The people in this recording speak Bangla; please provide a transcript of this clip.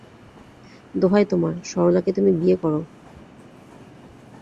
দোহাই তোমার, সরলাকে তুমি বিয়ে করো।